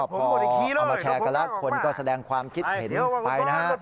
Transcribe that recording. พอเอามาแชร์กันแล้วคนก็แสดงความคิดเห็นไปนะฮะ